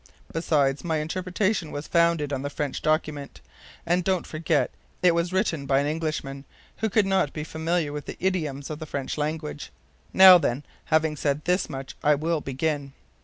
Besides, my interpretation was founded on the French document; and don't forget it was written by an Englishman, who could not be familiar with the idioms of the French language. Now then, having said this much, I will begin."